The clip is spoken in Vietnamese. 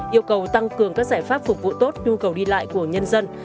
yêu cầu tăng cường các giải pháp phục vụ tốt nhu cầu đi lại của nhân dân